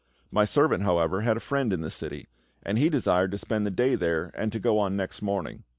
My servant, however, had a friend in the city, and he desired to spend the day there, and to go on next morning.